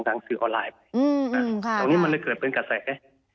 ตรงนี้มันก็เกิดเป็นขาดแส